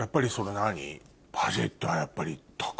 バジェットはやっぱり。